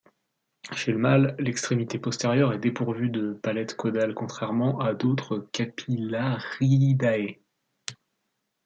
Chez le mâle, l'extrémité postérieure est dépourvue de palettes caudales contrairement à d'autres Capillariidae.